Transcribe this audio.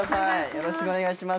よろしくお願いします。